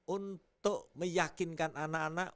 untuk meyakinkan anak anak